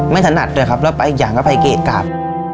ถนัดด้วยครับแล้วไปอีกอย่างก็ไปเกะกราบ